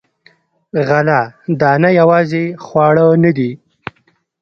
غله دانه یوازې خواړه نه دي.